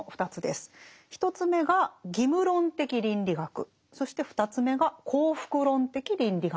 １つ目が「義務論的倫理学」そして２つ目が「幸福論的倫理学」。